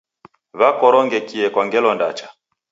Wakorongekie kwa ngelo ndacha.